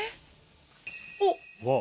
おっ！